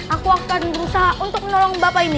aku akan berusaha untuk menolong bapak ini